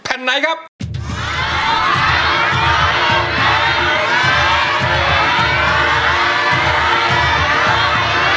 ก็คือร้องให้เหมือนเพลงเมื่อสักครู่นี้